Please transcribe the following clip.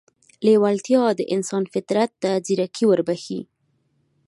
لېوالتیا د انسان فطرت ته ځيرکي وربښي.